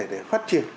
tức là để phát triển